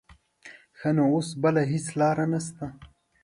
ښه نو اوس بله هېڅ لاره نه شته.